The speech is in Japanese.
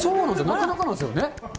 なかなかなんですよね。